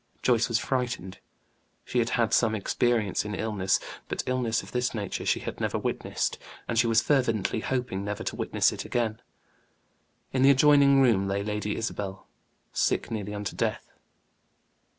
Joyce was frightened; she had had some experience in illness; but illness of this nature she had never witnessed, and she was fervently hoping never to witness it again. In the adjoining room lay Lady Isabel, sick nearly unto death.